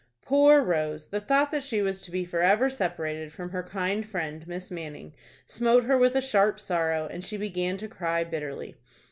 Poor Rose! the thought that she was to be forever separated from her kind friend, Miss Manning, smote her with a sharp sorrow, and she began to cry bitterly.